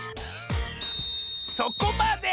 そこまで！